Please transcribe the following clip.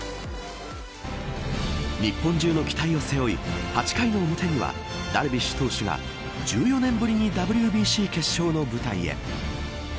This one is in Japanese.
日本中の期待を背負い８回の表にはダルビッシュ投手が１４年ぶりにＷＢＣ決勝の舞台へ。